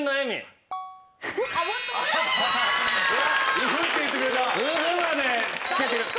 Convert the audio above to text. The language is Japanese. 「ウフッ」って言ってくれた。